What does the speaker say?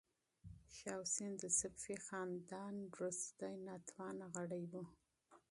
شاه حسین د صفوي خاندان وروستی کمزوری غړی و.